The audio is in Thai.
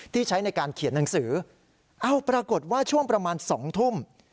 ใช้ในการเขียนหนังสือเอ้าปรากฏว่าช่วงประมาณ๒ทุ่ม